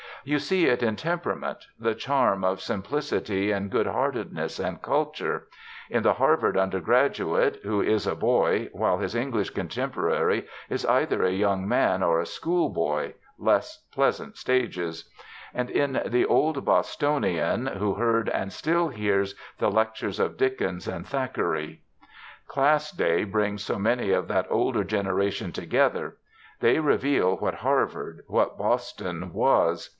You see it in temperament, the charm of simplicity and good heartedness and culture; in the Harvard undergraduate, who is a boy, while his English contemporary is either a young man or a schoolboy, less pleasant stages; and in the old Bostonian who heard, and still hears, the lectures of Dickens and Thackeray. Class Day brings so many of that older generation together. They reveal what Harvard, what Boston, was.